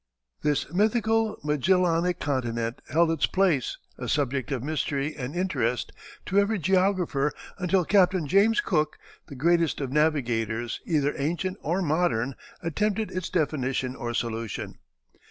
This mythical Magellanic continent held its place, a subject of mystery and interest to every geographer, until Captain James Cook, the greatest of navigators, either ancient or modern, attempted its definition or solution.